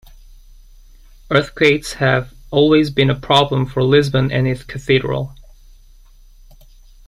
Earthquakes have always been a problem for Lisbon and its cathedral.